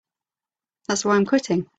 That's why I'm quitting.